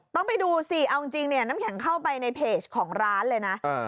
ต้องไปดูสิเอาจริงเนี่ยน้ำแข็งเข้าไปในเพจของร้านเลยนะ